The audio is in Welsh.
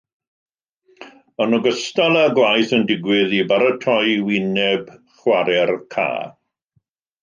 Yn ogystal â gwaith yn digwydd i baratoi wyneb chwarae'r cae.